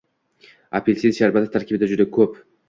Apel'sin sharbati tarkibida juda ko'p.